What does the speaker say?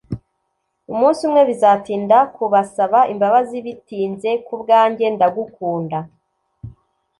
umunsi umwe bizatinda kubasaba imbabazi, bitinze kubwanjye ndagukunda.